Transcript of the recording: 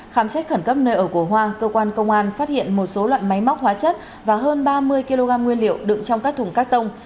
khám xét khẩn cấp nơi ở của hoa cơ quan công an phát hiện một số loại máy móc hóa chất và hơn ba mươi kg nguyên liệu đựng trong các thùng cắt tông